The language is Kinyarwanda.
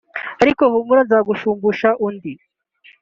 ariko humura nzagushumbusha undi